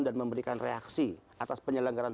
dan memberikan reaksi atas penyelenggaran